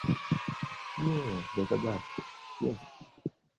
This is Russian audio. Нет, благодарствуйте, незачем.